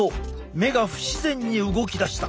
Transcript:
目が不自然に動き出した。